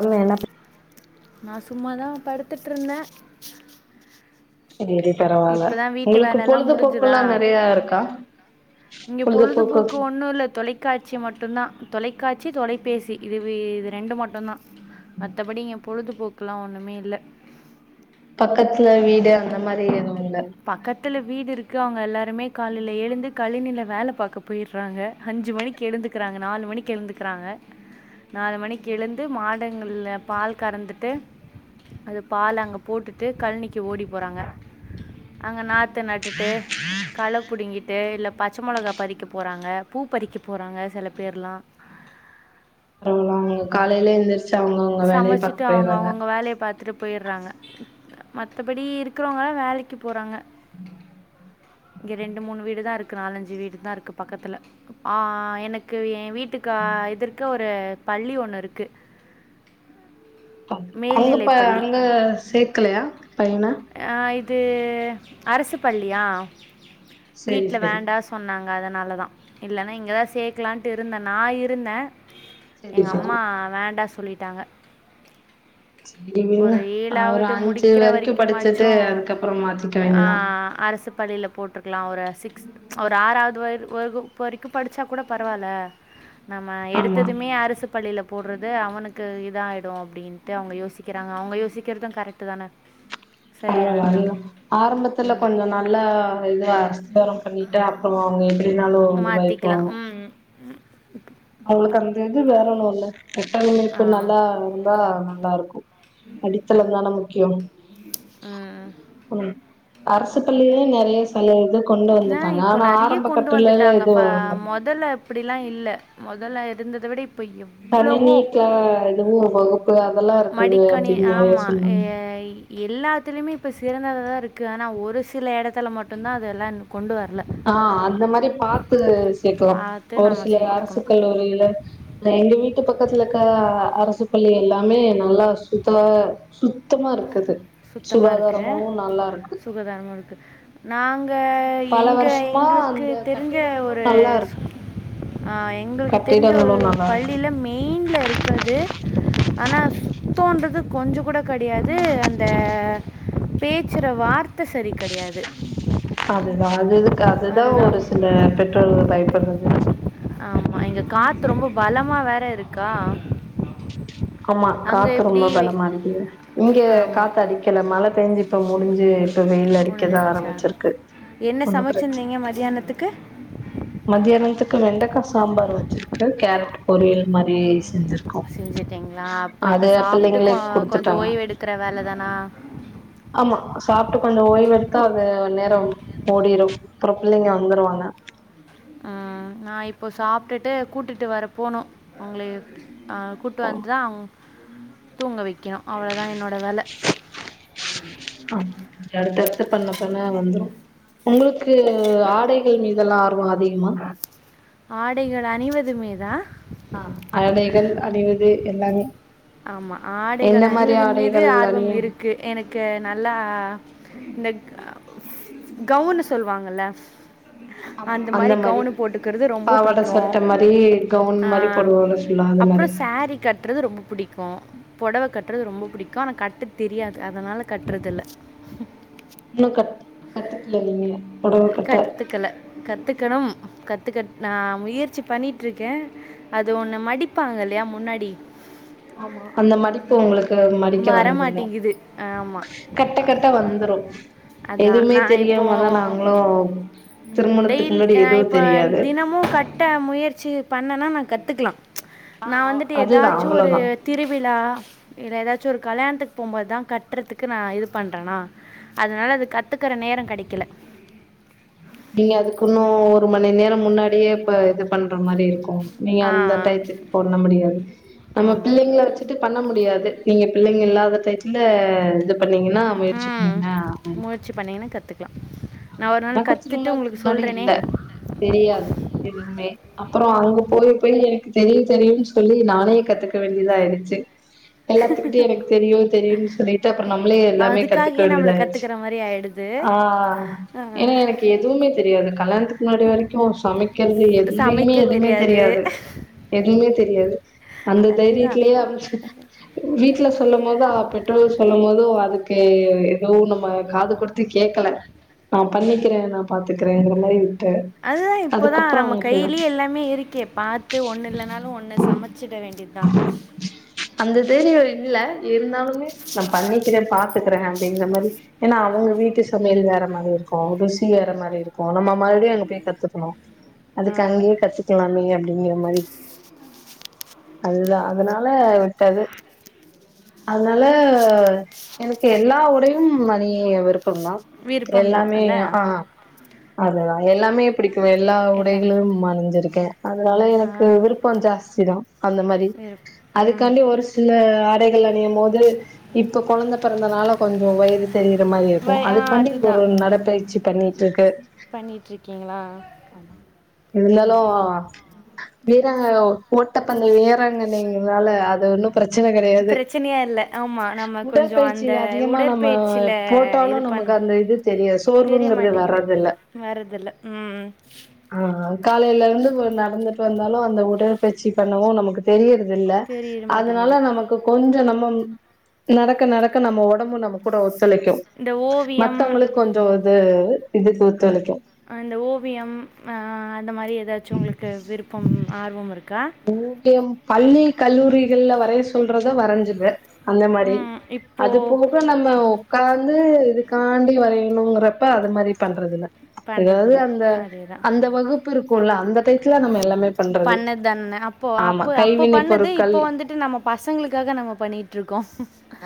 Hello என்ன பண் நா சும்மாதா படுத்துட்ருந்த செரி பரவால்ல உங்களுக்கு வேலையெல்லாம் பொழுதுபோக்கல்லா நறையா இருக்கா இங்க பொழுதுபோக்கு ஒண்ணு இல்ல தொலைக்காட்சி மட்டுதா தொலைக்காட்சி தொலைபேசி இது இது ரெண்டு மட்டுதா மத்தபடி இங்க பொழுதுபோக்லா ஒன்னுமே இல்ல பக்கத்துல வீடு அந்த மாரி எதுவு இல்ல பக்கத்துல வீடுருக் கு அவுங்க எல்லாருமே காலில எழுந்து கழினில வேல பாக்க போயிறாங்க அஞ்சு மணிக்கு எழுந்துக்குறாங்க நாலு மணிக்கிஎழுந்துக்குறாங்க நாலு மணிக்கி எழுந்து மாட ங்கல்ல பால் கறந்துட்டு அது பால் அங்க போட்டுட்டு கழனிக்கி ஓடி போறாங்க [unintelligible] அங்க நாத்து நட்டுட்டு கள புடுங்கிட்டு இல்ல பச்ச மொளகா பறிக்க போறாங்க பூ பறிக்க போறாங்க சில பேர்ல்லா பரவாலா காலையிலே எழுந்திரிச்சு அவுங்க அவுங்க வேலைய பாக்க போயறாங்க போயிறாங்க மற்றபடி இருக்கறவங்களா வேலைக்கு போறாங்க உம் [unintelligible] இங்கெ ரெண்டு மூணுவீடு தா இருக்கு நாலஞ்சு வீடு தா இருக்கு பக்கத்துல ஆ எனக்கு ஏன் வீட் டுக்கா இதெற்க்க ஒரு பள்ளி ஒண்ணு இருக்கு அங்க பார் பள்ளி அங்க சேக்கலையா பையன இது அரசு பள்ளியா சேரி வீட்ல சேரி வேண்டா சொன்னாங்க அதனால தா இல்லைன்னா இங்கேதா சேக்கனானு இருந்தே நா இருந்தே சேரி எங்க சேரி அம்மா வேண்டா சொல்லிட்டாங்க சேரி விடுங்க ஒரு ஆ ஒரு ஏழாவது அஞ்சு முடிக்கிற வரைக்கு வரைக்கும்மாச்சு படிச்சுட்டு அதுக்கப்புறோ மாத்திக்க ஆ வேண்டியதா அரசு பள்ளியில போட்டுருக் லா ஒரு சிக்ஸ்த் ஒரு ஆறாவது வ வரைக்கு படிச்சா கூட பரவாயில்ல நம்ம ஆமா எடுத்ததுமே அரசு பள்ளியில போடுறது அவனுக்கு இதாயிடு அப்டின்னு டு அவுங்க யோசிக்கிறாங்க அவுங்க யோசிக்கிறது கரெக்ட் தானே சரியானது தான் [unintelligible] ஆரம்பத்துல ம் கொஞ்சோ நல்லா இதர பள்ளி அப்பொல அவுங்க எப்டின்னாலு வந்து வைப்பொ உம் அவுங்களுக்கு அந்த இது வேணனுல்ல ஆ கட்டமைப்பு நல்லா இருந்தா நல்லா இருக்கு அடித்தளோ தானே முக்கியோ ஆ ஆ அர்சு பள்ளிலேயே நறையா சலுக ஆ இப்போ நெறைய கொண்டு வந்துட்டாங்க இது மொதல்ல அப்டிலா இல்ல மொதல்ல இருந்த விட இப்போ எவ்வளவோ கணினிக்க எதுவு வகுப்புலாத மடிக்கணி ஆமா எல்லாத்தலயுமே இப்ப சிறந்ததா இருக்கு இருக் ஆனா ஒரு சில இடத்துல மட்டுதா அதலான் ஆ அந்த மாரி பாத் பிள்ளகள சேக்கலா பார்த்து ஒரு நம்ம சில அரசு சேர்த்துக்கணும். கல்லூரி இல்ல எங்க வீட் வீட்டு பக்கத்துல இருக்க அரசு பள்ளி எல்லாமே நல்லா சுத்தா சுத்தமா இருக்குது சுத்தமா இருக்கு சுகாதாரமாவு நல்லா இருக்கு சுகாதாரமா இருக்கு நாங் த பல எங்க வருஷமா எங்களுக்கு அந்த தெரிஞ்ச கட்டிடங்களு ஒரு நல்லா இருக்கு ஆ எங்களுக்கு தெரிஞ்ச கட்டிடங்களு ஒரு நல்லா இருக்கு பள்ளியில மெயின்ல இருக்கு அது ஆனா சுற்றொன்றது கொஞ்சோ கூட கெடையாது இந்த பேசுற வார்த்த செரி கடயாது அதுதா அது இதுக்கு அதுதா அதுதான். ஒரு சில பெற்றோர்கள் பயப்படுறது ஆமா எங்க காத்து ரொம்ப பலமா வேற இருக்கா ஆமா அங்க காத்து எப்படி ரொம்ப வெ- பலமா இருக்குது இங்க ஆமா காத்து அடிக்கல மழை பெஞ்சுப் முடிஞ்சு இப்ப வெயில் அடிக்கத முடிஞ்சிடுச்சா ஆரம்பிச்சிருக்கு என்ன ஒண்ணு பிரச்சன சமைச்சிருந்தீங்க மதியானத்துக்கு மத்தியானத்துக்கு வெண்டைக்கா சாம்பார் வச்சிருக்கு கேரட் பொரியல் மாரி செஞ்சிருக் செஞ்சுட்டீங்களா அப்போ இப்ப சாப்ட்டு பிள்ளைங்களே கொஞ்சோ குடுத்துட்டாங்க ஓய்வு எடுக்கற வேலதானா ஆமா சாப்ட்டு கொஞ்சோ ஓய்வு எடுத்தா அந்த நேரோ ஓடிரு அப்புறோ பிள்ளைங்க வந்துருவாங்க ஆ நா இப்போ சாப்ட்டு கூட்டிட்டு வர போனு ஒங்கள அ கூட்டிட்டு வந் ரம் தூங்க வைக்கனு அவ்ளோதா என்னோட வேல அடுத்த அடுத்து பண்ண பண்ண வந்துரு ஒங்களுக்கு ஆடை மீதல்லா ஆர்வோ அதிகமா ஆடைகள் அணிவதுமேதா ஆ ஆடைகள் அணிவது எல்லாமே ஆமா எந்த ஆடைகள் மாரி அணிவதன் மீது ஆடைகள் ஆர்வம் அணிய இருக்கு எனக்கு நல்லா இந்த கவுன்னு சொல்லுவாங்கல உ ஆமா அந்த மாரி ரொம்ப பாவாட பிடிக்கும். சட்டை மாரி கவுன் ஆ மாரி போடுவால சொல்லா அது மாரி அப்புறம் சாரி கட்டுறது ரொம்ப புடிக்கு பொடவ கட்டுறது ரொம்ப புடிக்கு ஆனா கட்டு தெரியாது அதனால கட்டுறது இல்ல இன்னும் கத் கத்துக்கல நீங்க பொடவ கட்ட கத்துக்கல கத்துக்கணும் கத் கத்துக்க நா முயற்சி பண்ணிட்ருக்க அது ஒண்ணு மடிப்பாங்கல்லயா முன்னாடி ஆமா அந்த மடிப்பு ஒங்களுக் மடிக்க வர்றதுல்ல வரமாட்டேங்குது. ஆமா. கட்ட கட்ட வந்துரு அதான் எதுமே நான் தெரியாமதா இப்போது நாங்களும் திருமணத்துக்கு டெய்லி முன்னாடி நான் எதுவு இப்போ தெரியாது தினமும் கட்ட முயற்சி பண் என்னா நா கத்துக்லா ஆ நா வந்துட்டு அதுதா எதாச்சு ஒரு அவ்ளோதா திருவிழா இல்ல எதாச்சு கல்யாணத்துக்கு போம்போதுதா கட்றதுக்கு நா இது பண்றனா அதனால அது கத்துக்கற நேர கெடைக்கல நீங்க அதுக்கு இன்னு ஒரு மணி நேரம் முன்னாடியே இப்ப இது பண்ற மாரிருக்கு நீங்க ஆ அந்த டைத்துக்கு போண்ண முடியாது நம்ம ஆமாம் பிள்ளைங்க வச்சுட்டு பண்ண முடியாது நீங்க பிள்ளைங் இல்லாத டைத்ல இது பண்ணீங்கனா முயற்சி ம் பண்ணீங்கனா ஆ முயற்சி பண்ணிங்கன்னா கற்றுக்கலாம் நான் ஒரு நாள் எனக்கு கற்றுட்டு திருமணதுக்கு உங்களுக்கு முன்னாடி சொல்கிறேனே இல்ல தெரியாது எதுமே அப்பொற அங்க போய் போய் எனக்கு தெரியு தெரியுனு சொல்லி நானே கத்துக்க வேண்டியதாய்டுச்சு எல்லாத்துக்கிட்டயு எனக்கு தெரியு தெரியுன்னு சொல்லிட்டு அப்ற நம்மளே எல்லாமே கத்துக்க அதுக்காகவே நம்மளை வேண்டியதாய்டுச்சு கற்றுக்கிற மாதிரி ஆயிடுது ஆ ஏன்னா எனக் எதுமே தெரியாது கல்யாணத்துக்கு முன்னாடி வரைக்கு சமைக்கிறது எதுலயுமே எதுமே தெரியாது எதுமே தெரியாது அந்த அதே தான் தைரியத்தலயே வீட்ல சொல்லும் போதோ பெற்றோர்கள் சொல்லும் போது ஓகே ஏதுவு நம்ம காது குடுத்து கேக்கல நா பண்ணி இருக்கிற நா பாத்துக்கிறேங்கிற மாரி அதுதா இப்பதா அதுக்கப்புறோ நம்ம அவங்க போயிதா கைய்லயே எல்லாமே இருக்கே பாத்து ஒண்ணுல்லனாலும் ஒண்ணு சமச்சுட வேண்டிதா அந்த தைரிய இல்ல இருந்தாலுமே நா பண்ணிக்கறே பாத் இருக்கறே அப்டிங்கற மாரி ஏன்னா அவுங்க வீட்டு சமையல் வேற மாரிருக்கு ருசி வேற மாரிருக்கு நம்ம மறுடியு அங்க போய் கத்துக்கணு அதுக்கு அங்கயே கத்துக்லாமே அப்டிங்கற மாரி அதுதா அதனால விட்டது அதனால எனக்கு எல்லா உடயு மணி விருப்பம் தா விருப்பம்தான் எல்லாமே அல்ல ஆ அதுதா எல்லாமே எப்டி எல்லா எல்லாம் உடைகளயுமனிஞ்சிருக்கே அதனால எனக்கு விருப்ப ஜாஸ்தி தான் அந்த மாரி விருப்பம் அதுக்காண்டி ஒரு சில ஆடைகள் அணியும் போது இப்ப கொழந்த பிறந்தனால கொஞ்ச வயிறு தெரியுற மாரி இருக்கு வை ஆ அதுக்காண்டி ஒரு அதுதான் நடப்பயிற்சி ண்ணிட்டு இருக்கு பண்ணிட்டு இருக்கீங்களா இருந்தாலு வீ செய்றாங்க ஓட்டப்பந்தய வீராங்கங்கனைங்றனால அத ஒன்னு பிரச்சன கெடையாது பிரச்சனையா இல்லை ஆமாம் நம்ம கொஞ்சம் உடற்பயிற்சி அந்த அதிகமா நம்ம உடற்பயிற்சியில் போட்டாலு இது நம் பண் மக்கு அந்த இது தெரியா சோர் தெரிய கிறது மாட்டேங்குது வர்றதில்ல வர்றதில்ல ம் ஆ ஆ காலைலருந்து கொஞ்சோ நடந்துட் வந்தாலு அந்த உடல் பயிர்ச்சி பண்ணவு நமக்கு தெரிய இல்ல தெரிய அதனால மாட்டேங்குது நமக்கு கொஞ்ச நம்ம நடக்க நடக்க நம்ம ஒடம்பு நம்ம கூட ஒத்துழைக்கு இந்த ஓவியம் மத்தவங்களுக்கு கொஞ்சோ இது இதுக் இந்த ஓவியம் அ அந்த மாரி ஏதாச்சும் உங்களுக்கு விருப்பம் ஆர்வமிரு ஓவியம் பள்ளி கல்லூரிகள்ல வரய சொல்றத வரஞ்சிருவ அந்த மாரி ம், இப்போ அது போக நம்ம ஒக்காந்து காண்டி வறையணுங்றப்ப அது மாரி பண்றதில்ல எதாவது பண்றதில்ல அந்த அதேதான். அந்த வகுப்பு இருக்குல்ல அந்த டைத்ல நம்ம எல்லாமே பண்றது பண்ணது தானே அப்போ ஆமா அப்ப அப்ப கைவினை பண்ணது பொருட்கள் இப்போ வந்துட்டு நம்ம பசங்களுக்காக நம்ம பண்ணிட்ருக்கோ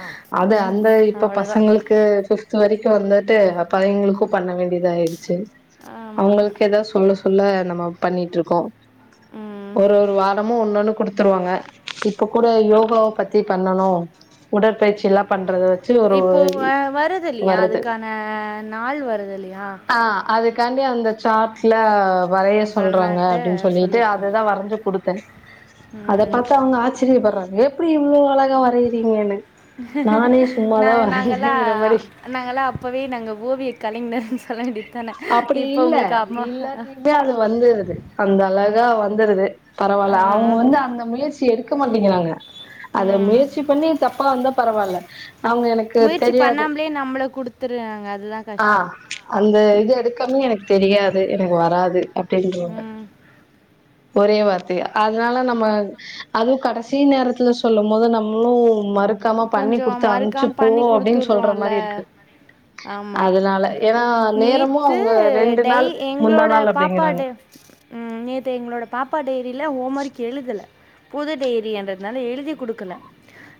அ அது அந்த இப்ப பசங்களுக்கு பிஃப்த்து வரைக்கு வந்தர் ட்டு அப்ப அயிங்களுக்கு பண்ண வேண்டியதாயிடுச்சு ஆமா அவுங்களுக்கு எதா சொல்ல சொ ல்ல நம்ம பண்ணிட்ருக்கோ ம் ஒரொரு வாரமு ஒன்னொன்னு குடுத் த்துருவாங்க இப்ப கூட யோகாவ பத்தி பண்ணனு உடற்பயிற்சிலா பண்றது இப்போ வ வருதுல்லியா அதுக்கான நாள் வருதில்லியா ம் ஏ அந்த சாட்ல வரைய சொல்றாங்க பண்ணட்டு அப்டின் சொல்லிட்டு சொல்லியிருக்கேன் அதுதா வரஞ்சு குடுத்தே அத ம் பாத்து அவுங்க ஆச்சரியப்பர்றாங்க எப்டி இவ்ளோ அழகா வரைறீங்கன்னு நா நாங்கலா மாரி நாங்கலா அப்பவே நாங்க ஓவிய கலைஞர் அப்டி இல்ல இல்லாத்தியுமே அது வந்தரது அந்தழகா வ ந்துருது ஆ பரவால்ல அவுங்க வந்து அந்த முயற்சி எடுக்க மாட்டீங்கறாங்க அத ம் முயற்சி பண்ணி தப் பரவால்ல அவுங்க எனக்கு முயற்சி தெரியாது பண்ணாமலே நம்மளை கொடுத்துருறாங்க அதுதான் ஆ கஷ்டம் அந்த இது எடுக்காம எனக்கு தெரியாது எனக்கு வராது அப்டின்றவங்க ம் ஒரே வார் தையா அதனால நம்ம அதுவு கடைசி நேரத்துல சொல்லும்போது நம்ளும் ம றுக்காம பண்ணி கொஞ்சம் குடுத்து அம்ச்சு மறுக்காம போ பண்ணி அப்டின் சொல்ற கொடுத்துட்றோம்ல மாறிருக்கு ஆமாம் அதனால ஏனா நேரமு நேற்று அவுங்க ரெண்டு டை நாள் முந்தா நாள் அப்டிங்கறாங்க ம் நேத்து எங்ளோட பாப்பா டைரில ஹோம் ஒர்க் எழுதல புது டெய்ரி என்றதுனால எழுதி குடுக்கல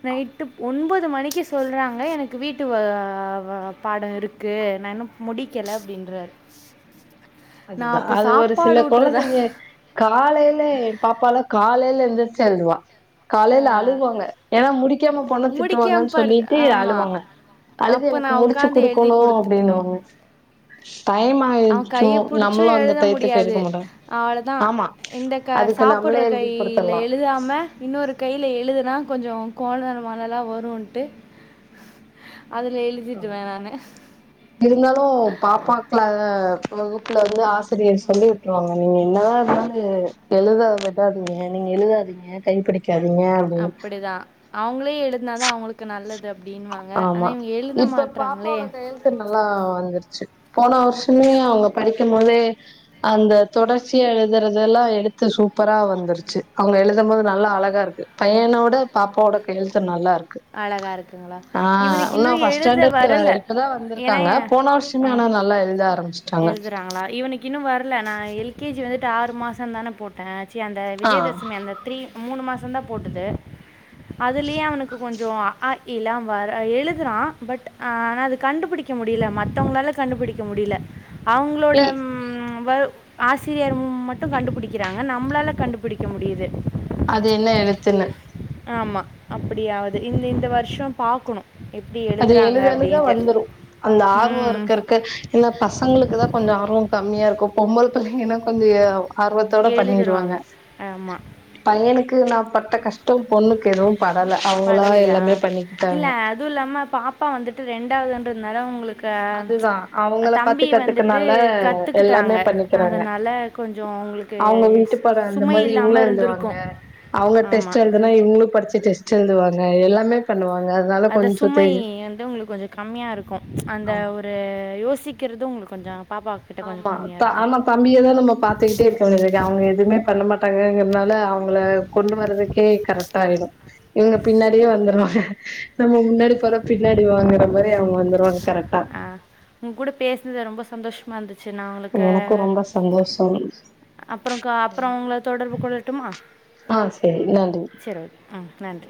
நைட் டுப் ஒன்பது மணிக்கு சொல்றாங்க எனக்கு வீட்டு வ வ பாட இருக்கு நா இன்னு மு டிக்கல அப்டின்றாரு அதுதா அது ஒரு சில ஊட்டுறதா கொழந்தைங்க க காலைல ஏ பாப்பால காலைல எந்துருச்சு எழுதுவா காலைல அழுகுவாங்க ஏனா முடிக்காம போனா முடிக்காம திட்டுவாங்கன் படு சொல்லிட்டு ஆமாம் அழுவாங்க அழுது அப்போ எனக்கு நான் முடிச்சு உட்காந்து எழுதி குடுக்கணு கொடுத்துட்டணும் அப்டின்னுவாங்க டைமாய் அவன் ட்ரு நம்ளு அந்த டைத்துக்கு இருக்க மாட்ட அவ்ளதா இந்த க சாப்பிட்ற நம்மளே எழுதி கையில குடுத்துடலா எழுதாம இன்னொரு கைல எழுதுனா கொஞ்சோ கோணல் மானலா வருன்ட்டு இருந்தாலு பாப்பாக்ல அ வகுப்புல வந்து ஆசிரியர் சொல்லி வுட்டுருவாங்க நீ என்னதா இருந்தாலு எழுத விடா திங்க நீங்க எழுதாதீங்க கைப்பிடிக் அப்டிதா அவுங்ளே எழுதுனாதா அவுங்ளுக்கு நல்லது வாங்க ஆனா ஆமா இங்க ஏ இப்ப பாப்பாவோட கையெழுத்து நல்லா வந்துருச்சு போன வருஷமே அவுங்க படிக்கும் போதே அந்த தொடர்ச்சி எழுதுறதெலா எடுத்து சூப்பரா வந்துருச்சு அவுங் எழுதம் போது நல்லா அழகாருக்கு பையனோட பாப்பாவோட கையெழுத்து நல்லாருக் அழகா இருக்குங்ளா ஆ இன்னு ஃபஸ்ட் ஸ்டாண்டடு வேற இப்பதா ஏன்னா வந்துருக்காங்க போன வருஷமே ஆ ஆனா நல்லா எழுத ஆரம்பிச்ட்டாங்க எழுதுறாங்களா இவனுக்கு இன்னு வரல நா எல் கே ஜி வந்துட்டு ஆறு மாசந்தான போட்டே சி அந்த ஆ விஜயதசமி அந்த த்ரீ மூனு மாசந்தா போட்டது அதுலியே அவனுக் கொஞ்சோ அ ஆ இ லா வர எழுதுறா பட் ஆனா அது கண்டுபிடிக்க முடில மத்தவங்ளால கண்டுபிடிக்க முடில அவுங்ளோட இல் ம் வகு ஆசிரியர் மட்டு கண்டுபிடிக்கிறாங்க நம்ளால கண்டுபிடிக்க முடியுது அது என்ன எழுத்துன்னு ஆமா அப்படியாவது இந்த இந்த வருஷ பாக்கணு அது எழுத எழுத வந்துரு அந்த ஆர்வம் ம் இருக்கறக்கு என்னா பசங்களுக்குதா கொஞ்ச ஆர்வ கம்மியாரு இக்கு பொம்பள் பிள்ளைங்கன்னா கொஞ்ச ஏ ஆர்வத்தோட எழுதிருவாங்க பண்ணிருவாங்க ஆமாம் பையனுக் கு நா பட்ட கஷ்டொ பொண்ணுக்கு எதுவு படல அவங்களா படலையா எல்லாமே பண்ணிக்கிட்டாங்க ப்பா வந்துட்டு ரெண்டாவதுன்றதுனால உங்களு அதுதா அவங்கள பாத்து வந்துட்டு கத்துக்கனால எல்லாமே கத்துக்கிட்டாங்க பண்ணிக்கறாங்க அதனால கொஞ்சம் உங்களுக்கு அவங்க வீட்டு பாடம் சுமை எழுதம்போது இல்லாம இவங்களு எழுதுவாங்க இருந்திருக்கும் அவங்க ஆமா டெஸ்ட் எழுதுனா இவங்களு படிச்சு டெஸ் ட் எழுதுவாங்க எல்லாமே பண்ணுவாங் அத சுமை வந்து உங்களுக்கு கொஞ்சோ கம்மியாருக்கு அந்த ஆமா ஒரு யோசிக்குறது ஆமா ப ஆமா தம்பிய தா நம்ம பாத்துக்கிட்டே இருக்க [unintelligible] அவங்க எதுமே பண்ண மாட் டாங்கங்றதுனால அவங்கள கொண்டு வரதுக்கே கரெக்ட்டாயிரு இவங்க சரி பின்னாடியே வந்துருவாங்க நம்ம முன்னாடி போற பின்னாடி வாங்குற மாரி அவங்க வந்துருவாங்க கரெக்டா அ உங் கூட பேசுனது ரொம்ப சந்தோஷமாருந்து எனக்கு ரொம்ப சந்தோஷம் அப்புறங் க்கா அப்ரோ ஒங்ள தொடர்பு கொள்ளட்டுமா ஆ சரி நன்றி சரி ஓகே நன்றி